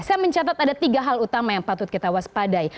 saya mencatat ada tiga hal utama yang patut kita waspadai